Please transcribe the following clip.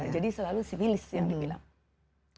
jadi selalu sipilis yang dibilang